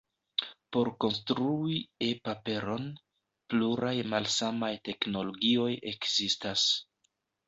Por konstrui e-paperon, pluraj malsamaj teknologioj ekzistas.